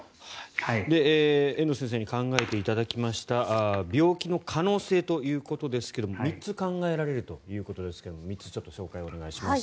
遠藤先生に考えていただきました病気の可能性ということですが３つ考えられるということですが３つ、紹介をお願いします。